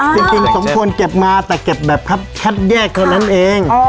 จริงสมควรเก็บมาแต่เก็บแบบครับคัดแยกเท่านั้นเอง